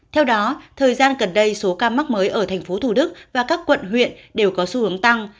theo đó thời gian gần đây số ca mắc mới ở tp thủ đức và các quận huyện đều có xu hướng tăng